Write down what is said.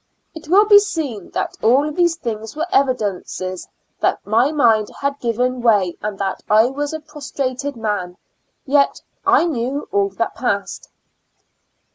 It will be seen that all these things were evidences that my mind had given way and that I was a prostrated man ; yet I knew all that passed.